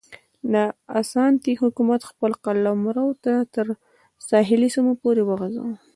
د اسانتي حکومت خپل قلمرو تر ساحلي سیمو پورې وغځاوه.